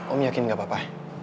om yakin nggak apa apa